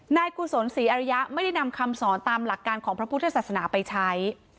กุศลศรีอริยะไม่ได้นำคำสอนตามหลักการของพระพุทธศาสนาไปใช้